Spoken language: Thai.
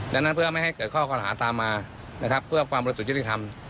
ดังนั้นเพื่อไม่ให้เกิดข้อคอรหาตามมานะครับเพื่อความบริสุทธิ์ยุติธรรม